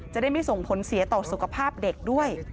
จะได้ไม่ส่งผลเสียต่อสุขภาพเด็กด้วย